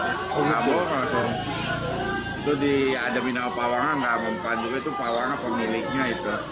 itu diadami nama pawangnya ngamuk ngamuk itu pawangnya pemiliknya